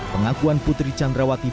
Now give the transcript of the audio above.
pengakuan putri candrawati